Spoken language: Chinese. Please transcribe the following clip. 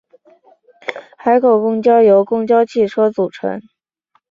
海口公交由公共汽车组成。